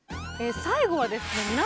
最後はですね